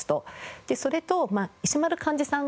それと石丸幹二さん